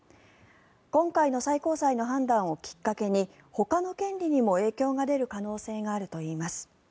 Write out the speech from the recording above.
今回の最高裁の判断をきっかけにほかの権利にも影響が出る可能性があるといいます。